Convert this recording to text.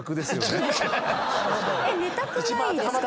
寝たくないですか？